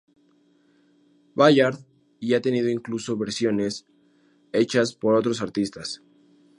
Ballard y ha tenido incluso versiones hechas por otros artistas.